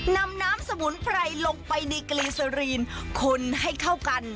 นำน้ำสมุนไพรลงไปในกรีสรีนคนให้เข้ากัน